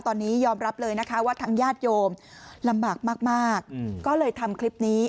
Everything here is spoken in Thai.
ตอนนี้ยอมรับเลยนะคะว่าทางญาติโยมลำบากมากก็เลยทำคลิปนี้